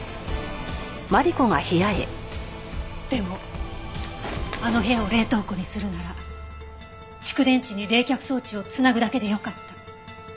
でもあの部屋を冷凍庫にするなら蓄電池に冷却装置を繋ぐだけでよかった。